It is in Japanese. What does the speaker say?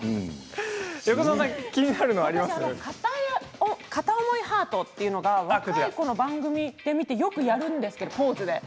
私、片思いハートというのは若い子の番組で見てよくやるんですけどポーズで。